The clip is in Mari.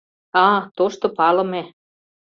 — А, тошто палыме...